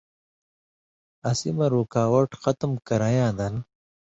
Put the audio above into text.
اسی مہ رُکاوٹ ختم کرَئن٘یاں دن